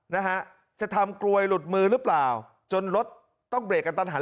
นะฮะจะทำกลวยหลุดมือหรือเปล่าจนรถต้องเบรกกันทันหัน